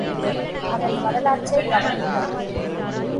அதன் வரலாற்றைக் கவனிப்போம்.